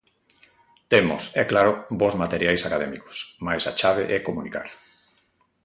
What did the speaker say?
Temos, é claro, bos materiais académicos, mais a chave é comunicar.